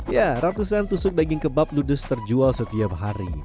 ya ratusan tusuk daging kebab ludes terjual setiap hari